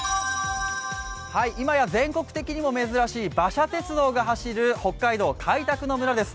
今や全国的にも珍しい馬車鉄道が走る北海道開拓の村です。